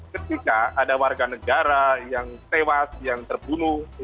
ketika ada warga negara yang tewas yang terbunuh